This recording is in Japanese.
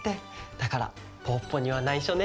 だからポッポにはないしょね。